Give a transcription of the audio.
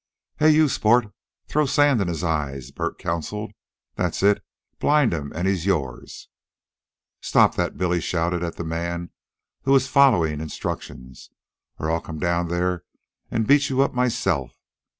"Hey, you, sport throw sand in his eyes," Bert counseled. "That's it, blind him an' he's your'n." "Stop that!" Billy shouted at the man, who was following instructions, "Or I'll come down there an' beat you up myself.